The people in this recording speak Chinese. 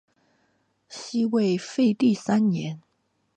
西魏废帝三年。